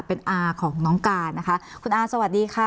เป็นอาของน้องการนะคะคุณอาสวัสดีค่ะ